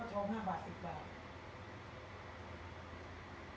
ทอง๕บาท๑๐บาท